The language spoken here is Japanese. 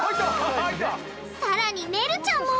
さらにねるちゃんも！